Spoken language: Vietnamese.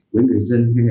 với người dân huyện